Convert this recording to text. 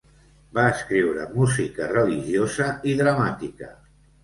Va escriure música religiosa i dramàtica.